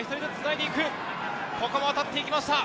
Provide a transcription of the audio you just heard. ここも当たっていきました。